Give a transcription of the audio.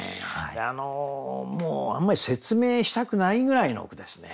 あのもうあんまり説明したくないぐらいの句ですね。